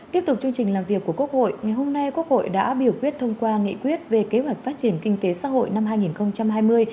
tiếp tục chương trình làm việc của quốc hội ngày hôm nay quốc hội đã biểu quyết thông qua nghị quyết về kế hoạch phát triển kinh tế xã hội năm hai nghìn hai mươi